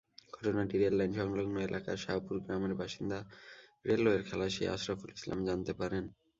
ঘটনাটি রেললাইন-সংলগ্ন এলাকার শাহপুর গ্রামের বাসিন্দা রেলওয়ের খালাসি আশরাফুল ইসলাম জানতে পারেন।